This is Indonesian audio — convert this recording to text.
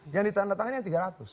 yang ditanda tangannya tiga ratus